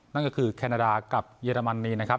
นั่นก็คือแคนาดากับเยอรมนีนะครับ